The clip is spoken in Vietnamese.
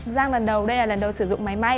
giang lần đầu đây là lần đầu sử dụng máy may